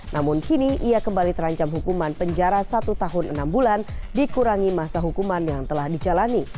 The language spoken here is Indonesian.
namun kini ia kembali terancam hukuman penjara satu tahun enam bulan dikurangi masa hukuman yang telah dijalani